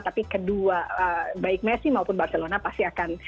tapi kedua baik messi maupun barcelona pasti akan